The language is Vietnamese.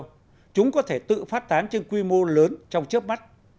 trong đó chúng có thể tự phát tán trên quy mô lớn trong trước mắt